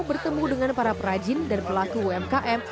bertemu dengan para perajin dan pelaku umkm